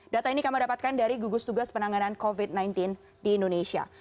data ini kami dapatkan dari gugus tugas penanganan covid sembilan belas di indonesia